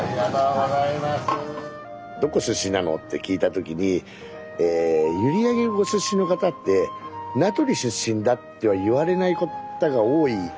どこ出身なのって聞いた時に閖上ご出身の方って名取出身だっては言われない方が多い僕は印象があるんです。